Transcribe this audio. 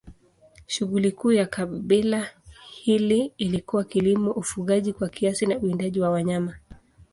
Shughuli kuu ya kabila hili ilikuwa kilimo, ufugaji kwa kiasi na uwindaji wa wanyama.